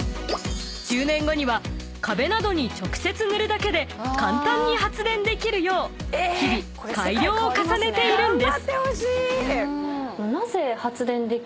［１０年後には壁などに直接塗るだけで簡単に発電できるよう日々改良を重ねているんです］